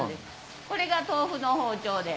これが豆腐の包丁で。